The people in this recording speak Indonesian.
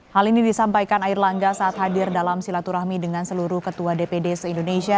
hal ini disampaikan air langga saat hadir dalam silaturahmi dengan seluruh ketua dpd se indonesia